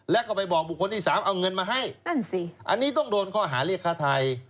แล้วก็ไปบอกบุคคลที่๓เอาเงินมาให้นั่นสิอันนี้ต้องโดนข้อหาเรียกค่าไทย